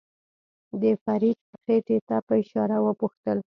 د فريدې خېټې ته په اشاره وپوښتل.